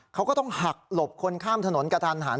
เขาก็ต้องหักหลบคนข้ามถนนกระทันหัน